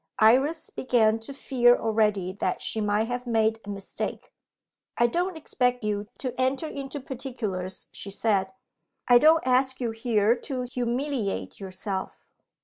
Iris began to fear already that she might have made a mistake. "I don't expect you to enter into particulars," she said; "I don't ask you here to humiliate yourself."